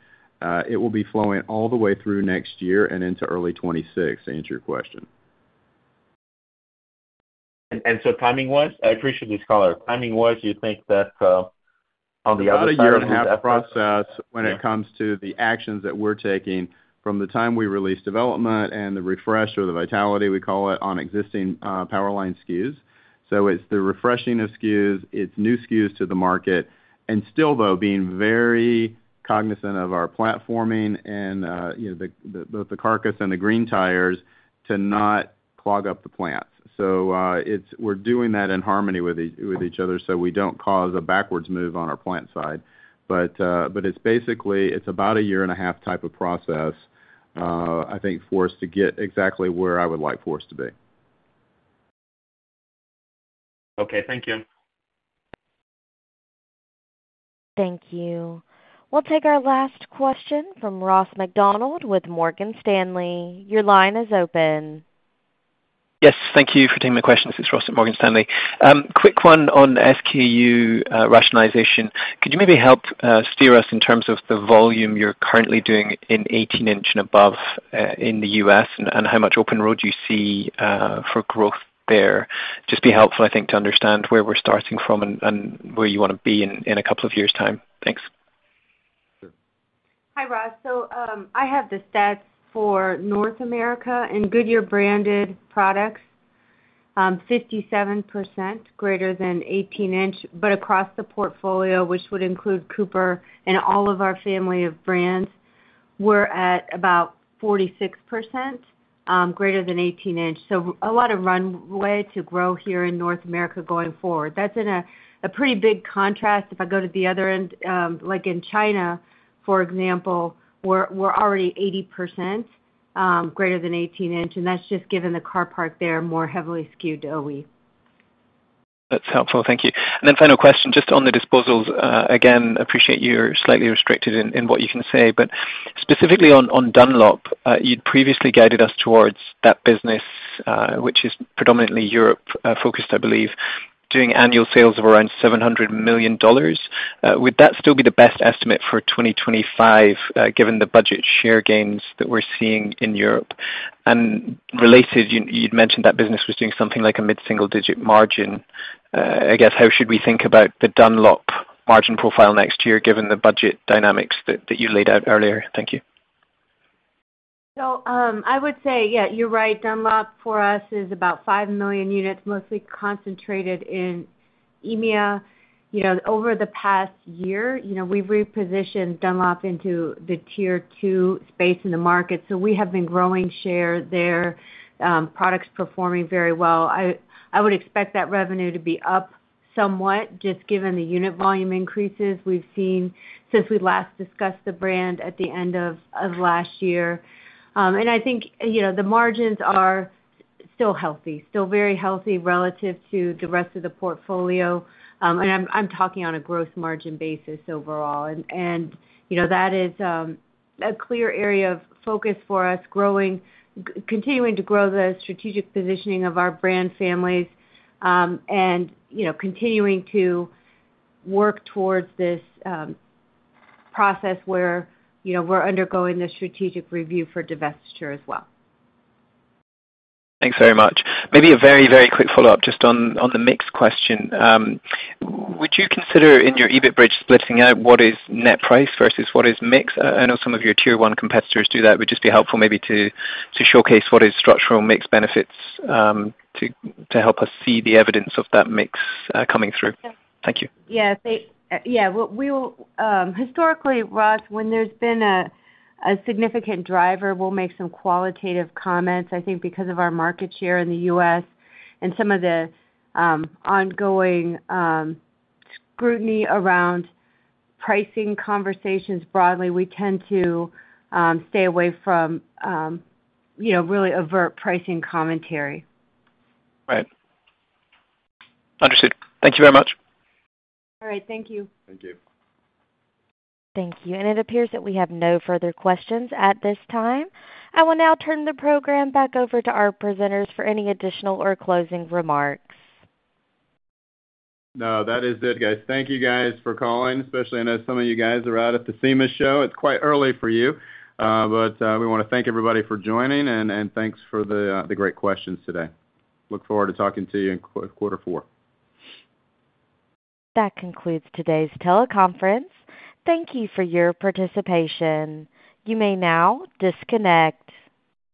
It will be flowing all the way through next year and into early 2026, to answer your question. And so timing-wise, I appreciate this caller. Timing-wise, you think that on the other side of that process. About a year and a half process when it comes to the actions that we're taking from the time we release development and the refresh or the vitality, we call it, on existing powerline SKUs. So it's the refreshing of SKUs, it's new SKUs to the market, and still, though, being very cognizant of our platforming and both the carcass and the green tires to not clog up the plants. So we're doing that in harmony with each other so we don't cause a backwards move on our plant side. But it's basically about a year and a half type of process, I think, for us to get exactly where I would like for us to be. Okay. Thank you. Thank you. We'll take our last question from Ross McDonald with Morgan Stanley. Your line is open. Yes. Thank you for taking my question. This is Ross at Morgan Stanley. Quick one on SKU rationalization. Could you maybe help steer us in terms of the volume you're currently doing in 18-inch and above in the U.S. and how much open road you see for growth there? Just be helpful, I think, to understand where we're starting from and where you want to be in a couple of years' time. Thanks. Hi, Ross. So I have the stats for North America and Goodyear branded products, 57% greater than 18-inch. But across the portfolio, which would include Cooper and all of our family of brands, we're at about 46% greater than 18-inch. So a lot of runway to grow here in North America going forward. That's in a pretty big contrast. If I go to the other end, like in China, for example, we're already 80% greater than 18-inch. And that's just given the car park there more heavily skewed to OE. That's helpful. Thank you. And then, final question, just on the disposals. Again, appreciate you're slightly restricted in what you can say. But specifically on Dunlop, you'd previously guided us towards that business, which is predominantly Europe-focused, I believe, doing annual sales of around $700 million. Would that still be the best estimate for 2025 given the budget share gains that we're seeing in Europe? And related, you'd mentioned that business was doing something like a mid-single-digit margin. I guess, how should we think about the Dunlop margin profile next year given the budget dynamics that you laid out earlier? Thank you. So I would say, yeah, you're right. Dunlop for us is about five million units, mostly concentrated in EMEA. Over the past year, we've repositioned Dunlop into the tier two space in the market. So we have been growing share there, products performing very well. I would expect that revenue to be up somewhat just given the unit volume increases we've seen since we last discussed the brand at the end of last year. And I think the margins are still healthy, still very healthy relative to the rest of the portfolio. And I'm talking on a gross margin basis overall. And that is a clear area of focus for us, continuing to grow the strategic positioning of our brand families and continuing to work towards this process where we're undergoing the strategic review for divestiture as well. Thanks very much. Maybe a very, very quick follow-up just on the mix question. Would you consider in your EBIT bridge splitting out what is net price versus what is mix? I know some of your tier one competitors do that. It would just be helpful maybe to showcase what is structural mix benefits to help us see the evidence of that mix coming through. Yeah. Thank you. Yeah. Yeah. Historically, Ross, when there's been a significant driver, we'll make some qualitative comments, I think, because of our market share in the U.S. and some of the ongoing scrutiny around pricing conversations broadly. We tend to stay away from really overt pricing commentary. Right. Understood. Thank you very much. All right. Thank you. Thank you. Thank you, and it appears that we have no further questions at this time. I will now turn the program back over to our presenters for any additional or closing remarks. No, that is it, guys. Thank you, guys, for calling, especially I know some of you guys are out at the SEMA Show. It's quite early for you. But we want to thank everybody for joining, and thanks for the great questions today. Look forward to talking to you in quarter four. That concludes today's teleconference. Thank you for your participation. You may now disconnect.